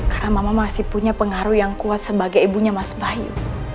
karena mama masih punya pengaruh yang kuat sebagai ibunya mas bayu